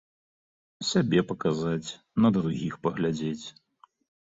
Сябе паказаць, на другіх паглядзець.